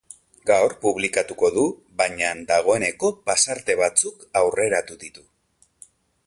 Gaur publikatuko du, baina dagoeneko pasarte batzuk aurreratu ditu.